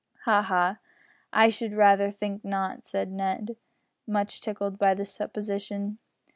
"Ha! ha! I should rather think not," said Ned, much tickled by the supposition.